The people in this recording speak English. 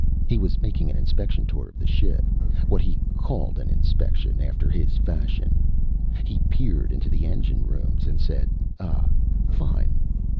He was making an inspection tour of the ship what he called an inspection, after his fashion. He peered into the engine rooms and said: "Ah, fine."